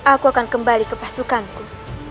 aku akan kembali ke pasukanku